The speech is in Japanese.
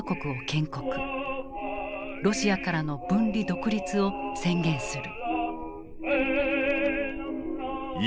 ロシアからの分離・独立を宣言する。